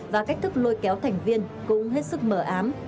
và cách thức lôi kéo thành viên cũng hết sức mở ám